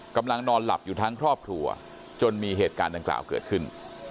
กำลังนอนหลับอยู่ทั้งครอบครัวจนมีเหตุการณ์ดังกล่าวเกิดขึ้น